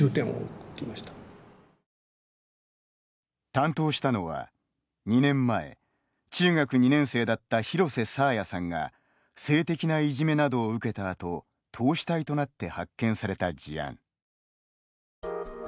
担当したのは、２年前中学２年生だった廣瀬爽彩さんが性的ないじめなどを受けたあと凍死体となって発見された事案。